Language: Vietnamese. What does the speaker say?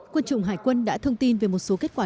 quân chủng hải quân đã thông tin về một số kết quả